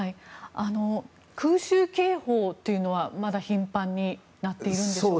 空襲警報というのはまだ頻繁に鳴っているんでしょうか。